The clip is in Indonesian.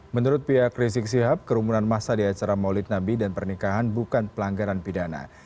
menurut pihak rizik sihab kerumunan masa di acara maulid nabi dan pernikahan bukan pelanggaran pidana